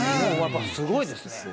すごいですね。